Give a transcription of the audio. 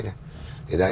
thì đấy là một cái